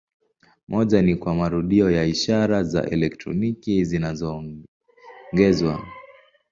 Moja ni kwa marudio ya ishara za elektroniki zinazoongezwa.